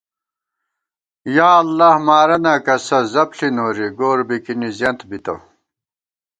یا اللہ مارَنا کسہ زپݪی نوری گور بِکِنی زیَنت بِتہ